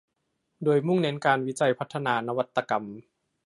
โดยมุ่งเน้นการวิจัยพัฒนานวัตกรรม